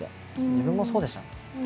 自分もそうでした。